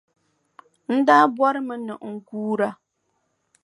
N daa bɔrimi ni n guura.